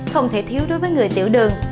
không thể thiếu đối với người tiểu đường